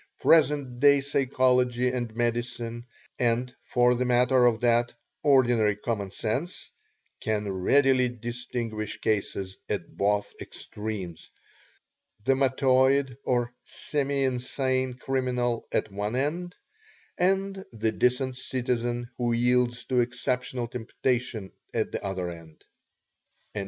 Present day psychology and medicine and, for the matter of that, ordinary common sense, can readily distinguish cases at both extremes the mattoid or semi insane criminal at one end, and the decent citizen who yields to exceptional temptation at the other end."